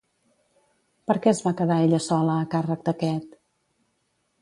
Per què es va quedar ella sola a càrrec d'aquest?